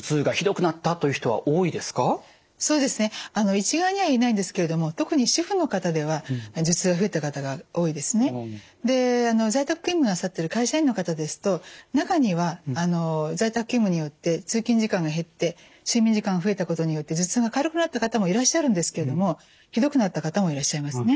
一概には言えないんですけれども特に在宅勤務なさってる会社員の方ですと中には在宅勤務によって通勤時間が減って睡眠時間が増えたことによって頭痛が軽くなった方もいらっしゃるんですけれどもひどくなった方もいらっしゃいますね。